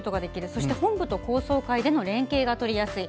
そして、本部と高層階での連携がとりやすい。